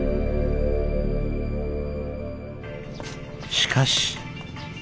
しかし。